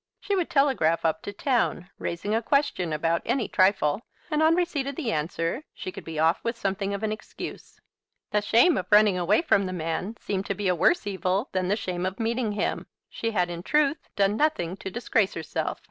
She would telegraph up to town, raising a question about any trifle, and on receipt of the answer she could be off with something of an excuse. The shame of running away from the man seemed to be a worse evil than the shame of meeting him. She had in truth done nothing to disgrace herself.